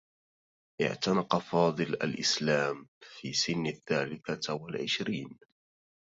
اعتنق فاضل الإسلام في سنّ الثالثة و العشرين.